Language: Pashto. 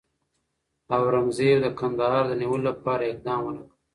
اورنګزېب د کندهار د نیولو لپاره اقدام ونه کړ.